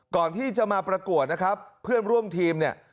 ก่อนที่จะมาประกวดนะครับเพื่อนร่วมทีมเนี่ย